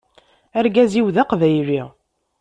Argaz-iw d aqbayli.